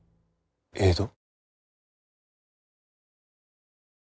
江戸？